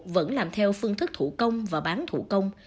vẫn làm theo phương thức thủ công và bán thủ công